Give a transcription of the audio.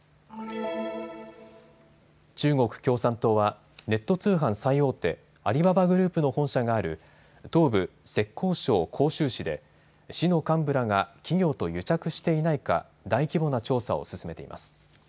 中国共産党はネット通販最大手、アリババグループの本社がある東部浙江省杭州市で市の幹部らが企業と癒着していないか大規模な調査を進めています。